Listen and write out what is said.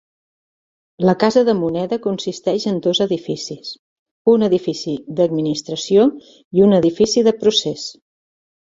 La casa de moneda consisteix en dos edificis, un edifici d'administració i un edifici de procés.